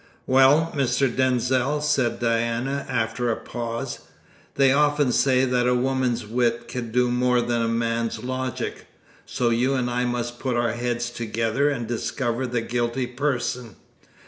"Well, Mr. Denzil," said Diana, after a pause, "they often say that a woman's wit can do more than a man's logic, so you and I must put our heads together and discover the guilty person.